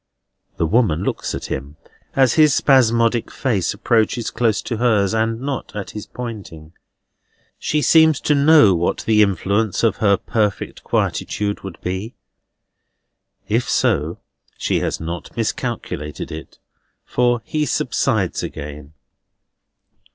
The woman looks at him, as his spasmodic face approaches close to hers, and not at his pointing. She seems to know what the influence of her perfect quietude would be; if so, she has not miscalculated it, for he subsides again.